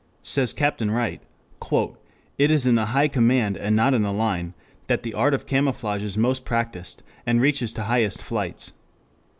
Says Captain Wright: "It is in the High Command and not in the line, that the art of camouflage is most practiced, and reaches to highest flights.